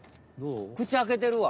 口あけてるわ！